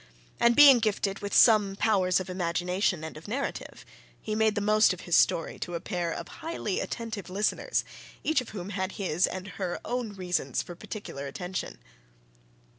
And being gifted with some powers of imagination and of narrative, he made the most of his story to a pair of highly attentive listeners, each of whom had his, and her, own reasons for particular attention.